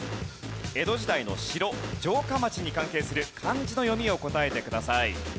江戸時代の城・城下町に関係する漢字の読みを答えてください。